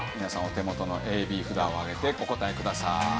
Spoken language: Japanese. お手元のＡＢ札を上げてお答えください。